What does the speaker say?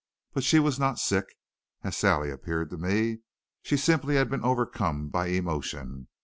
But she was not sick, as Sally appeared to me; she simply had been overcome by emotion.